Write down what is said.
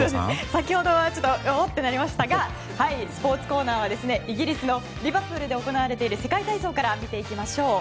先ほどはちょっとおおってなりましたがスポーツコーナーはイギリスのリバプールで行われている世界体操から行きましょう。